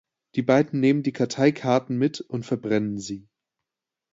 Die beiden nehmen die Karteikarte mit und verbrennen sie.